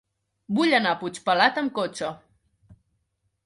Vull anar a Puigpelat amb cotxe.